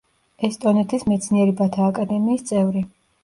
ესტონეთის მეცნიერებათა აკადემიის წევრი.